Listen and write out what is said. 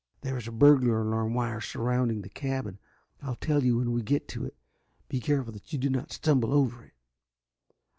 "There is a burglar alarm wire surrounding the cabin. I'll tell you when you get to it. Be careful that you do not stumble over it."